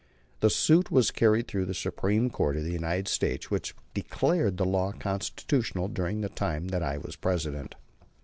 The suit was carried through to the Supreme Court of the United States, which declared the law constitutional during the time that I was President.